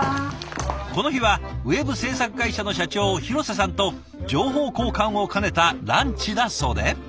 この日はウェブ制作会社の社長廣瀬さんと情報交換を兼ねたランチだそうで。